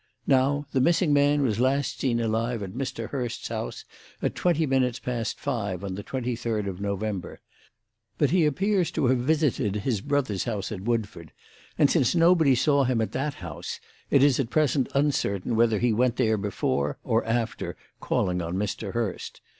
Now, the missing man was last seen alive at Mr. Hurst's house at twenty minutes past five on the twenty third of November. But he appears to have visited his brother's house at Woodford, and, since nobody saw him at that house, it is at present uncertain whether he went there before or after calling on Mr. Hurst.